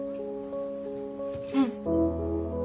うん。